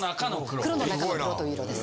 黒の中の黒という色です！